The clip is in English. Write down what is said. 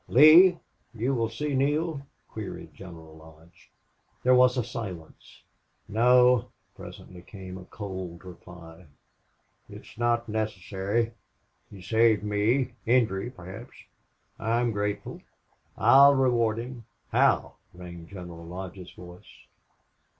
"Lee, you will see Neale?" queried General Lodge. There was a silence. "No," presently came a cold reply. "It is not necessary. He saved me injury perhaps. I am grateful. I'll reward him." "How?" rang General Lodge's voice.